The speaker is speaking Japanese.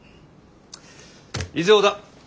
以上だ。